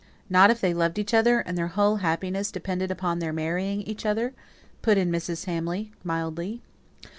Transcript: "Not if they loved each other, and their whole happiness depended upon their marrying each other," put in Mrs. Hamley, mildly.